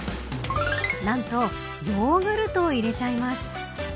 何と、ヨーグルトを入れちゃいます。